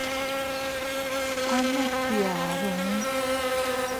¿A neʼe fgiadude?